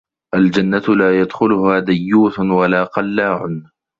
الْجَنَّةُ لَا يَدْخُلُهَا دَيُّوثٌ وَلَا قَلَّاعٌ